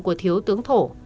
của thiếu tướng thổ